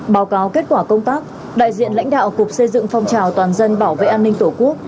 báo cáo kết quả công tác đại diện lãnh đạo cục xây dựng phong trào toàn dân bảo vệ an ninh tổ quốc